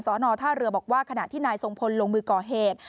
ท่าเรือบอกว่าขณะที่นายทรงพลลงมือก่อเหตุ